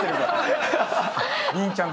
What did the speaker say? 麟ちゃん